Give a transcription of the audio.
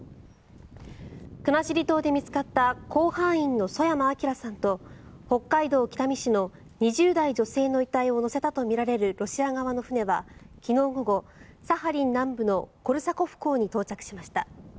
国後島で見つかった甲板員の曽山聖さんと北海道北見市の２０代女性の遺体を乗せたとみられるロシア側の船は昨日午後サハリン南部のコルサコフ港に到着しました。